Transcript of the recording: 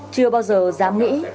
chưa bao giờ dám nghĩ